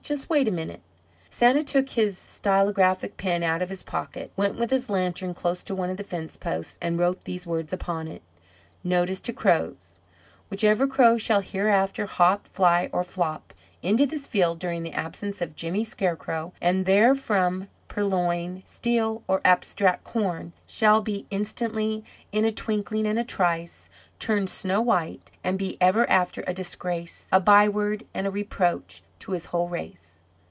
"Just wait a minute." Santa took his stylographic pen out of his pocket, went with his lantern close to one of the fence posts, and wrote these words upon it: NOTICE TO CROWS Whichever crow shall hereafter hop, fly, or flop into this field during the absence of Jimmy Scarecrow, and therefrom purloin, steal, or abstract corn, shall be instantly, in a twinkling and a trice, turned snow white, and be ever after a disgrace, a byword and a reproach to his whole race.